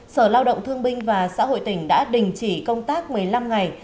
sở lao động thương binh và xã hội tỉnh đã đình chỉ công tác một mươi năm ngày